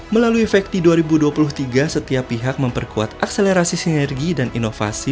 melalui facti dua ribu dua puluh tiga setiap pihak memperkuat akselerasi sinergi dan inovasi